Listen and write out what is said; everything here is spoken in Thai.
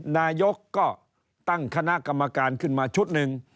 นายกก็ตั้งคณะกรรมการขึ้นมาชุดหนึ่ง